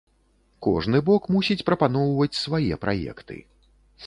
Кожны бок мусіць прапаноўваць свае праекты.